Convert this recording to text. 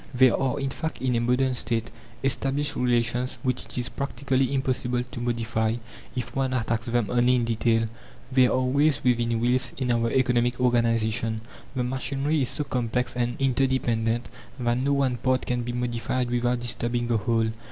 There are, in fact, in a modern State established relations which it is practically impossible to modify if one attacks them only in detail. There are wheels within wheels in our economic organization the machinery is so complex and interdependent that no one part can be modified without disturbing the whole.